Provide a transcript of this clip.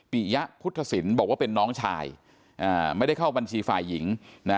ยะพุทธศิลป์บอกว่าเป็นน้องชายไม่ได้เข้าบัญชีฝ่ายหญิงนะ